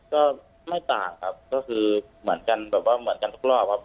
ก็ไม่ต่างครับก็คือเหมือนกันแบบว่าเหมือนกันทุกรอบครับ